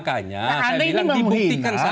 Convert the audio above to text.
makanya saya bilang dibuktikan saja